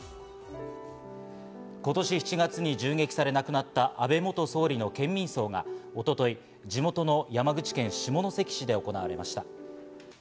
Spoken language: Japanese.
今年７月に銃撃され亡くなった安倍元総理の県民葬が一昨日、地元の山口県下関市で行われました。